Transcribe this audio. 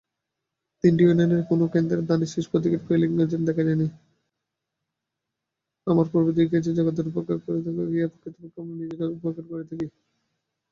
আমরা পূর্বেই দেখিয়াছি, জগতের উপকার করিতে গিয়া প্রকৃতপক্ষে আমরা নিজেদেরই উপকার করিয়া থাকি।